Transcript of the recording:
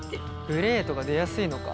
グレーとか出やすいのか。